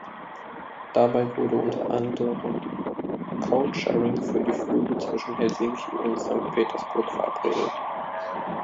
Dabei wurde unter anderem Codesharing für die Flüge zwischen Helsinki und Sankt Petersburg verabredet.